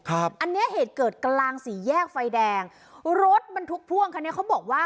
อันเนี้ยเหตุเกิดกลางสี่แยกไฟแดงรถบรรทุกพ่วงคันนี้เขาบอกว่า